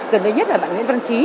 gần đây nhất là bạn nguyễn văn trí